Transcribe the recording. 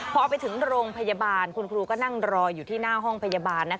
พอไปถึงโรงพยาบาลคุณครูก็นั่งรออยู่ที่หน้าห้องพยาบาล